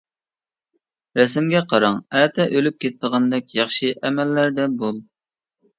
رەسىمگە قاراڭ: ئەتە ئۆلۈپ كېتىدىغاندەك ياخشى ئەمەللەردە بول.